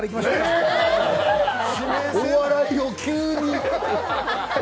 えー、お笑いを急に？